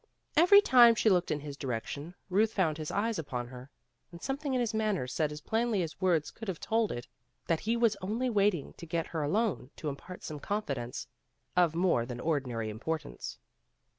Every time she looked in his direction, Ruth found his eyes upon her, and something in his manner said as plainly as words could have told it, that he was only waiting to get her alone to impart some confidence of more than ordinary importance.